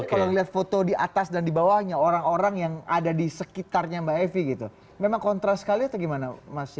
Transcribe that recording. kalau lihat foto di atas dan di bawahnya orang orang yang ada di sekitarnya mbak evi gitu memang kontra sekali atau gimana mas